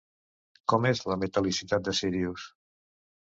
Com és la metal·licitat de Sírius?